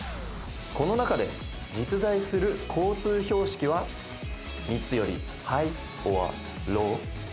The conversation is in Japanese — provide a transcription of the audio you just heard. この中で実在する交通標識は３つよりハイオアロー？